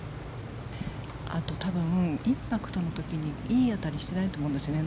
あと、多分インパクトの時にいい当たりをしていないと思うんですよね。